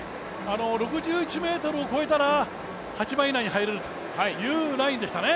６１ｍを越えたら、８番以内に入れるというラインでしたね。